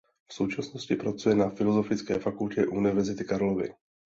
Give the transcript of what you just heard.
V současnosti pracuje na Filozofické fakultě Univerzity Karlovy.